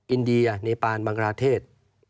อินเดียเนปานบังกราเทศ